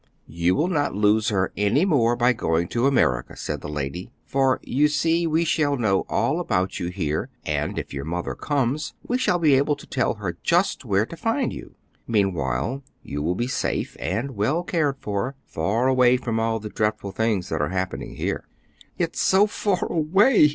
"You will not lose her any more by going to America," said the lady, "for, you see, we shall know all about you here, and if your mother comes, we shall be able to tell her just where to find you. Meanwhile you will be safe and well cared for, far away from all the dreadful things that are happening here." "It is so far away!"